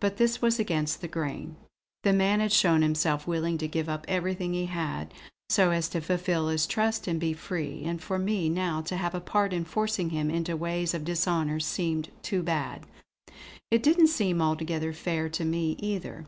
But this was against the grain. The man had shown himself willing to give up everything he had, so as to fulfill his trust and be free; and for me now to have a part in forcing him into ways of dishonour seemed too bad. It didn't seem altogether fair to me either.